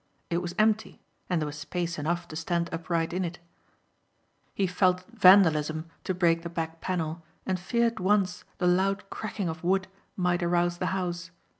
It was empty and there was space enough to stand upright in. He felt it vandalism to break the back panel and feared once the loud cracking of wood might arouse the house.